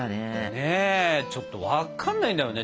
ねえちょっと分かんないんだよね。